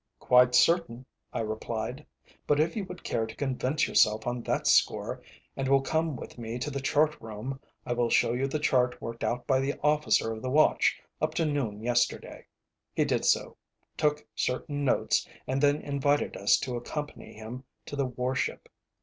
"Quite certain," I replied. "But if you would care to convince yourself on that score, and will come with me to the chart room, I will show you the chart worked out by the officer of the watch up to noon yesterday." He did so, took certain notes, and then invited us to accompany him to the warship.